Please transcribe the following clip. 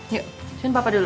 yuk sini papa dulu